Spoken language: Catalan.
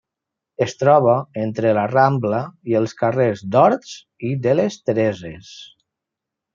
Es troba entre la Rambla i els carrers d'Horts i de les Tereses.